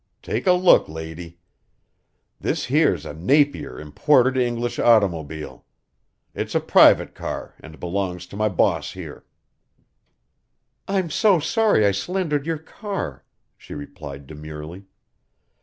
Take a look, lady. This here's a Napier imported English automobile. It's a private car and belongs to my boss here." "I'm so sorry I slandered your car," she replied demurely.